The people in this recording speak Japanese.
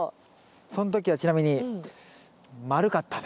その時はちなみに丸かったね。